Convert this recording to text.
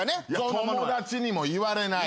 友達にも言われない。